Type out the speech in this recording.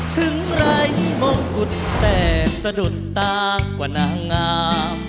ถึงไรมองกุศแต่สะดุดต่างกว่านางงาม